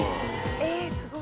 えっすごい！